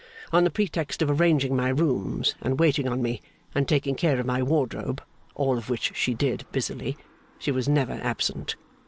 On the pretext of arranging my rooms and waiting on me and taking care of my wardrobe (all of which she did busily), she was never absent.